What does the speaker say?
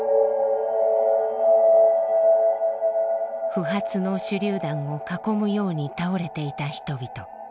不発の手りゅう弾を囲むように倒れていた人々。